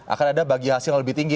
akan ada bagi hasil yang lebih tinggi